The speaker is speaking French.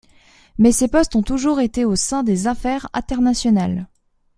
Mais ses postes ont toujours été au sein des affaires internationales.